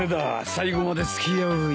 最後まで付き合うよ。